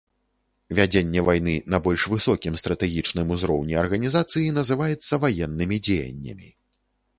Вядзенне вайны на больш высокім, стратэгічным узроўні арганізацыі называецца ваеннымі дзеяннямі.